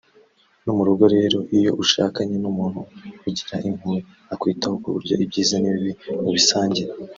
no mu rugo rero iyo ushakanye n’umuntu ugira impuhwe akwitaho ku buryo ibyiza n’ibibi mubisangira